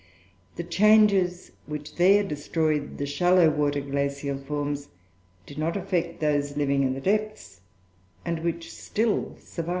The changes which there destroyed the shallow water glacial forms, did not affect those living in the depths, and which still survive."